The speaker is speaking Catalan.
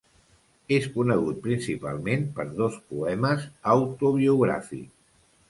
És conegut principalment per dos poemes autobiogràfics.